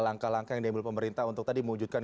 langkah langkah yang diambil pemerintah untuk tadi mewujudkan